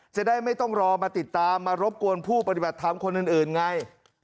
จะได้ไม่ต้องรอมาติดตามมารบกวนผู้ปฏิบัติธรรมคนอื่นไง